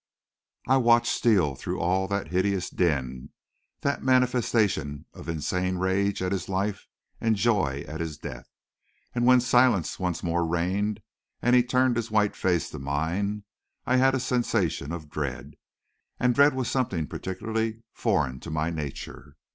I watched Steele through all that hideous din, that manifestation of insane rage at his life and joy at his death, and when silence once more reigned and he turned his white face to mine, I had a sensation of dread. And dread was something particularly foreign to my nature.